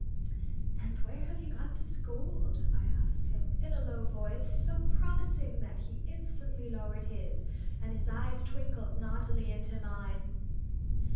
"And where have you got this gold?" I asked him, in a low voice so promising that he instantly lowered his, and his eyes twinkled naughtily into mine.